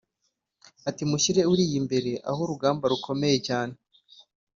ati “Mushyire Uriya imbere aho urugamba rukomeye cyane